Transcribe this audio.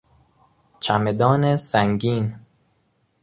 چمدان سنگین